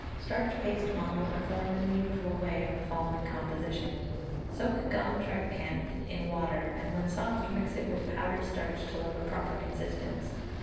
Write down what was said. Starch paste models are formed in the usual way, of the following composition: Soak gum tragacanth in water, and when soft, mix it with powdered starch till of a proper consistence.